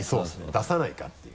出さないかっていう。